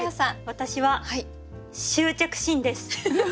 私は「執着心」です。